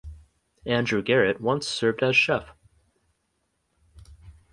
Andrew Garrett once served as chef.